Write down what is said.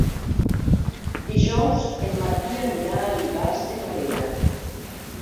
Dijous en Martí anirà a Ivars de Noguera.